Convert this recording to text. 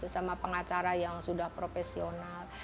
sama pengacara yang sudah profesional